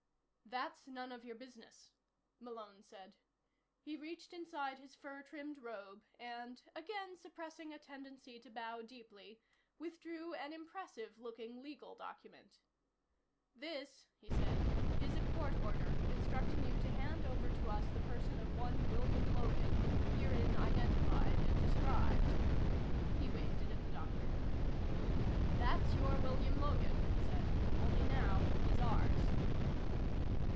"That's none of your business," Malone said. He reached inside his fur trimmed robe and, again suppressing a tendency to bow deeply, withdrew an impressive looking legal document. "This," he said, "is a court order, instructing you to hand over to us the person of one William Logan, herein identified and described." He waved it at the Doctor. "That's your William Logan," he said, "only now he's ours."